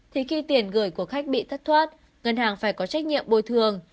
thì khi tiền gửi của khách bị thất thoát ngân hàng phải có trách nhiệm bồi thường